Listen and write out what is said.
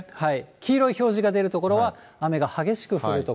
黄色い表示が出る所は雨が激しく降る所。